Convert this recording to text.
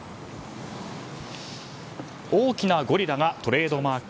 大きなゴリラがトレードマーク。